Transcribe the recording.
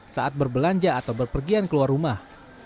saat berbelanja atau berpergian keluar rumah